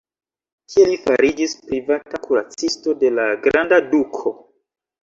Tie li fariĝis privata kuracisto de la granda duko.